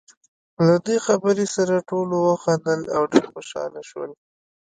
له دې خبرې سره ټولو وخندل، او ډېر خوشاله شول.